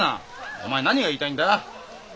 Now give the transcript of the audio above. お前何が言いたいんだ？